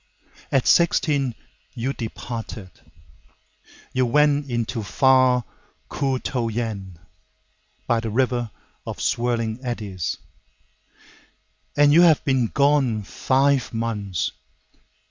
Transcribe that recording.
At sixteen you departed, You went into far Ku to Yen, by the river of swirling eddies, And you have been gone five months.